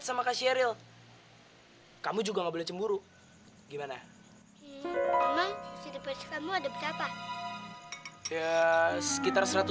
sama kasih ariel kamu juga nggak boleh cemburu gimana kamu ada berapa ya sekitar seratus an gitu